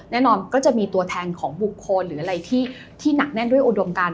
แน่นอนก็จะมีตัวแทนของบุคคลหรืออะไรที่หนักแน่นด้วยอุดมการ